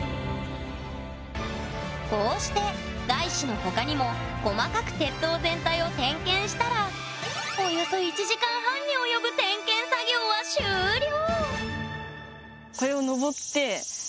こうしてがいしの他にも細かく鉄塔全体を点検したらおよそ１時間半に及ぶ点検作業は終了！